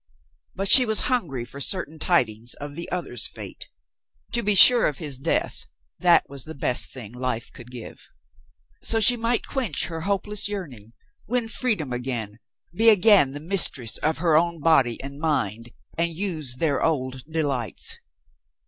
But she was hungry for certain tidings of the other's fate. To be sure of his death — that was the best thing life could give. So she might quench her hopeless yearning, win freedom again, be again the mistress of her own body and mind and use their old delights.